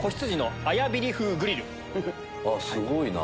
すごいな。